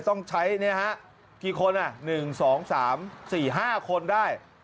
ต้องใช้นี่นะครับกี่คนน่ะ๑๒๓๔๕คนได้